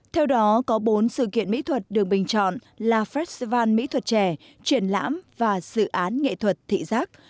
theo đó có bốn sự kiện mỹ thuật được bình chọn là festival mỹ thuật trẻ triển lãm và dự án nghệ thuật thị giác